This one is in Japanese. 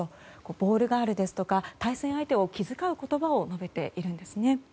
ボールガールや対戦相手を気遣う言葉を述べているんですね。